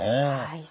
はい。